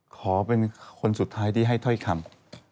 ขอเป็นคนสุดท้ายที่ให้ถ้อยคำ